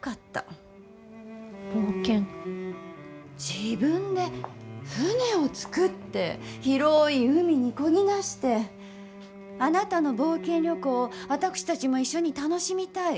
自分で舟を作って広い海にこぎ出してあなたの冒険旅行を私たちも一緒に楽しみたい。